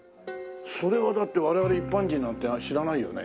それはだって我々一般人なんて知らないよね？